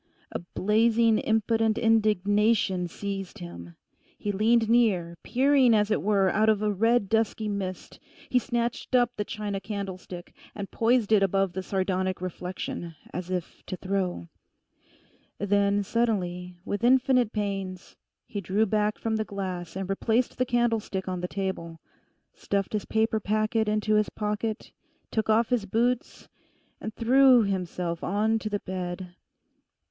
A blazing, impotent indignation seized him. He leaned near, peering as it were out of a red dusky mist. He snatched up the china candlestick, and poised it above the sardonic reflection, as if to throw. Then slowly, with infinite pains, he drew back from the glass and replaced the candlestick on the table; stuffed his paper packet into his pocket, took off his boots and threw himself on to the bed.